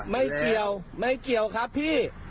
ไม่เกี่ยวไม่เกี่ยวครับพี่